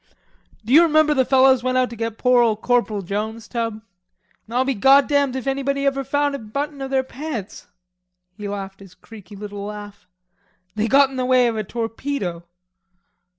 "Do you remember the fellers went out to get poor ole Corporal Jones, Tub? I'll be goddamned if anybody ever found a button of their pants." He laughed his creaky little laugh. "They got in the way of a torpedo."